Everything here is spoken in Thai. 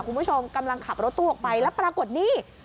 คุณผู้ชมกำลังขับรถตู้ออกไปแล้วปรากฏนี่